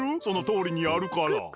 そのとおりにやるから。